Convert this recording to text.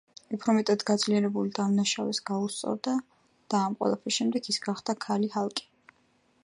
უფრო მეტად გაძლიერებული, დამნაშავეს გაუსწორდა და ამ ყველაფრის შემდეგ ის გახდა „ქალი ჰალკი“.